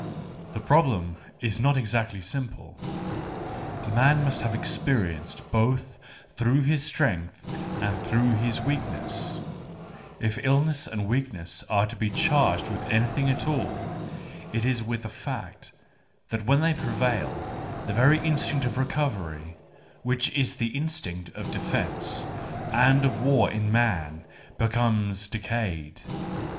The problem is not exactly simple: a man must h^ve experienced both through his strength and through his weak ness, (if illness and weakness are to be charged with anything at all, it is with the fact that when they prevail, the very instinct of recovery, which is the instinct of defence and of war in man, becomes decayed.